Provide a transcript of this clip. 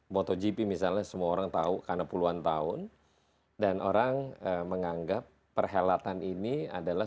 motogp misalnya semua orang tahu karena puluhan tahun dan orang menganggap perhelatan ini adalah